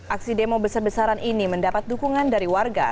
aksi demo besar besaran ini mendapat dukungan dari warga